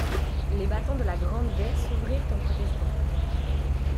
Les battants de la grande baie s’ouvrirent en protestant.